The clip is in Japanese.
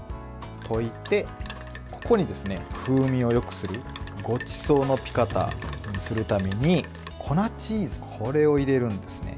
といて、ここに風味をよくするごちそうのピカタにするために粉チーズ、これを入れるんですね。